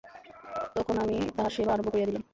তখন আমি তাঁহার সেবা আরম্ভ করিয়া দিলাম।